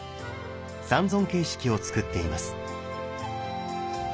三尊形式をつくっています。